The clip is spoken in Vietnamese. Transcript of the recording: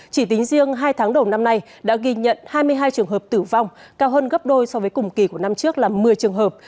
chỉ tính riêng hai tháng đầu năm nay đã ghi nhận hai mươi hai trường hợp tử vong cao hơn gấp đôi so với cùng kỳ của năm trước là một mươi trường hợp